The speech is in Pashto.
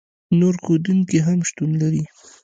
نور ښودونکي هم شتون لري.